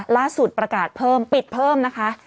ล่าสุดประกาศเพิ่มปิดเพิ่มนะคะ